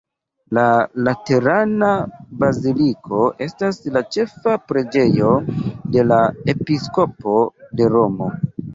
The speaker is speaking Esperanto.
La Laterana baziliko estas la ĉefa preĝejo de la episkopo de Romo.